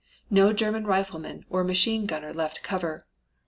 No German rifleman or machine gunner left cover.